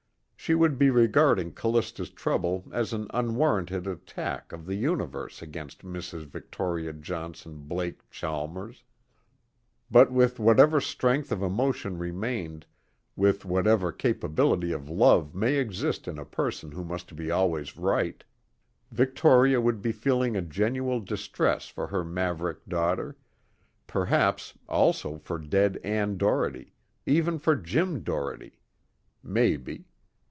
She would be regarding Callista's trouble as an unwarranted attack of the universe against Mrs. Victoria Johnson Blake Chalmers; but with whatever strength of emotion remained, with whatever capability of love may exist in a person who must be always right, Victoria would be feeling a genuine distress for her maverick daughter, perhaps also for dead Ann Doherty, even for Jim Doherty. Maybe.